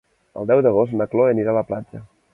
El deu d'agost na Chloé anirà a la platja.